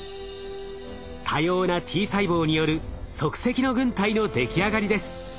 多様なＴ細胞による即席の軍隊の出来上がりです。